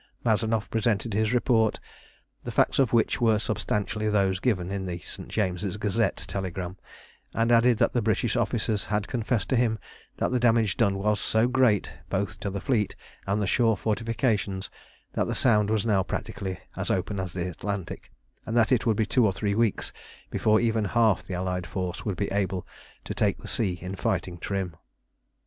Mazanoff presented his report, the facts of which were substantially those given in the St. James's Gazette telegram, and added that the British officers had confessed to him that the damage done was so great, both to the fleet and the shore fortifications, that the Sound was now practically as open as the Atlantic, and that it would be two or three weeks before even half the Allied force would be able to take the sea in fighting trim.